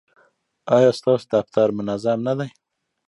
ایا ستاسو دفتر منظم نه دی؟